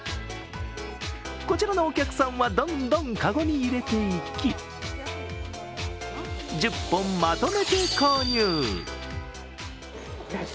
こちらのお客さんは、どんどん籠に入れていき１０本まとめて購入。